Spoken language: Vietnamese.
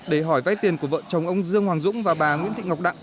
để hỏi vay tiền của vợ chồng ông dương hoàng dũng và bà nguyễn thị ngọc đặng